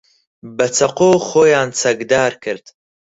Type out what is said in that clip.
بە چەقۆ خۆیان چەکدار کرد.